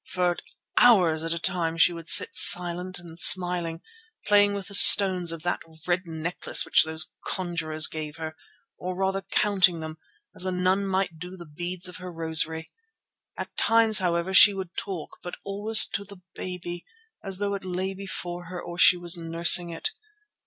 For hours at a time she would sit silent and smiling, playing with the stones of that red necklace which those conjurers gave her, or rather counting them, as a nun might do with the beads of her rosary. At times, however, she would talk, but always to the baby, as though it lay before her or she were nursing it.